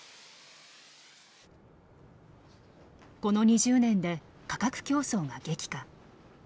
この２０年で価格競争が激化。